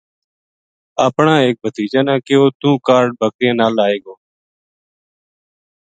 اپنا ایک بھتیجا نا کہیو تو ہ کاہڈ بکریاں نال آئے گو